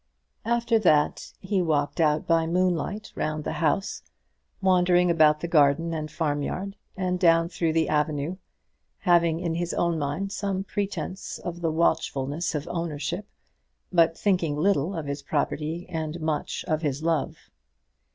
After that he walked out by moonlight round the house, wandering about the garden and farmyard, and down through the avenue, having in his own mind some pretence of the watchfulness of ownership, but thinking little of his property and much of his love.